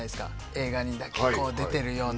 映画にだけこう出てるような